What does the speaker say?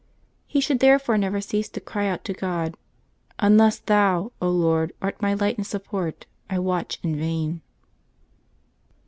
He should therefore never cease to cry out to God, "Unless Thou, Lord, art my light and support, I watch in yain."